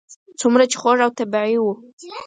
څومره چې خوږ او طبیعي و.